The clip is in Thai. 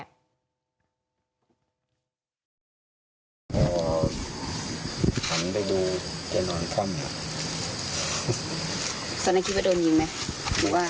คือมันจะต้องมีเสียงไฟ